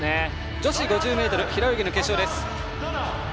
女子５０ｍ平泳ぎの決勝です。